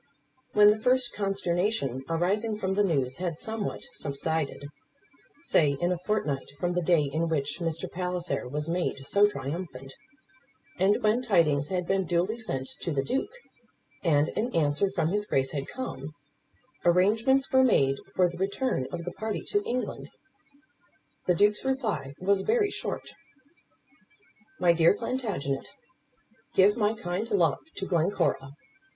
When the first consternation arising from the news had somewhat subsided, say in a fortnight from the day in which Mr. Palliser was made so triumphant, and when tidings had been duly sent to the Duke, and an answer from his Grace had come, arrangements were made for the return of the party to England. The Duke's reply was very short: MY DEAR PLANTAGENET, Give my kind love to Glencora.